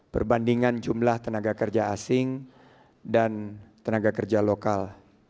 perbandingan jumlah tenaga kerja asing dan tenaga kerja lokal